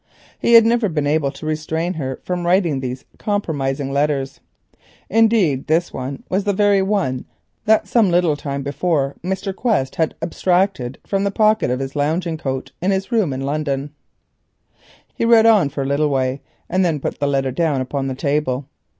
He had never been able to restrain her from writing these compromising letters. Indeed, this one was the very same that some little time before Mr. Quest had abstracted from the pocket of Mr. Cossey's lounging coat in the room in London. He read on for a little way and then put the letter down upon the table.